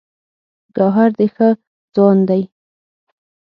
ګوهر ډې ښۀ ځوان دی